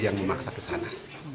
jadi maksa ke sana